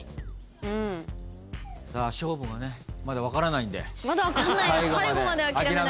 さあ勝負がねまだ分からないんで。